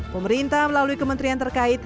pemerintah melalui kementrian terkait